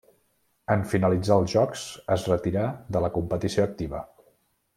En finalitzar els Jocs es retirà de la competició activa.